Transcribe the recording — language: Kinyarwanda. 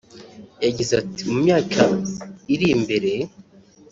yagize ati” Mu myaka iri imbere